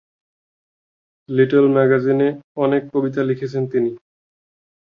Little ম্যাগাজিনে অনেক কবিতা লিখেছেন তিনি।